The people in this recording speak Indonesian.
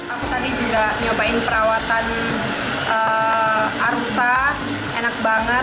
aku tadi juga nyobain perawatan arusa enak banget